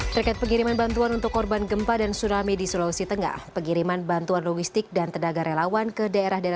terkait pengiriman bantuan untuk korban gempa dan tsunami di sulawesi tengah